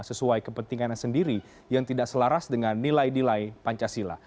sesuai kepentingannya sendiri yang tidak selaras dengan nilai nilai pancasila